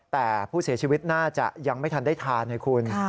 แต่ผู้เสียชีวิตน่าจะยังไม่ทันได้ทานไงคุณ